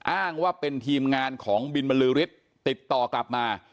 อ้างว่าเป็นทีมงานของบินบรรลือฤทธิ์ติดต่อกลับมา